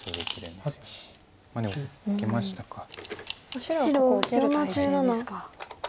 白はここを受ける態勢ですか。